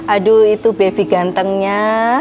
aduh itu baby gantengnya